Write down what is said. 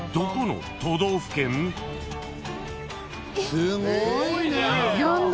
すごいね！